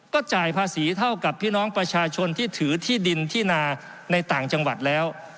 ก็จ่ายภาษีเท่ากับพี่น้องประชาชนที่ถือที่ดินที่นาในต่างจังหวัดแล้ว